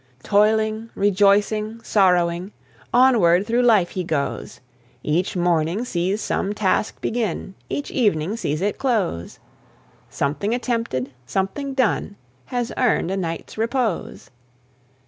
Toiling, rejoicing, sorrowing, Onward through life he goes; Each morning sees some task begin, Each evening sees it close; Something attempted, something done, Has earned a night's repose.